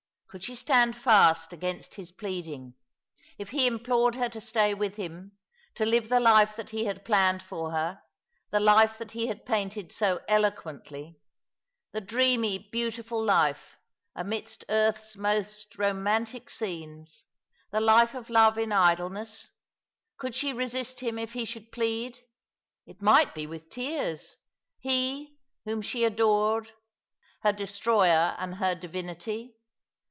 Could she stand fast against his pleading, if he implored her to stay with him, to live the life that he had planned for her, the life that he had painted so eloquently, the dreamy, beautiful life amidst earth's most romantic scenes, the life of love in idleness? Could she resist him if he should plead— it might be with tears— ^he, whom she adored, her. destroyer and her divinity?